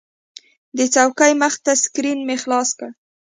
د چوکۍ مخې ته سکرین مې خلاص کړ.